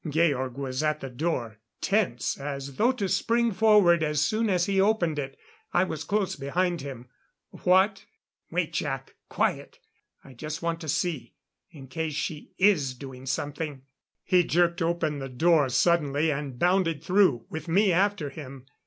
Georg was at the door, tense as though to spring forward as soon as he opened it. I was close behind him. "What " "Wait, Jac! Quiet! I just want to see in case she is doing something." He jerked open the door suddenly and bounded through, with me after him.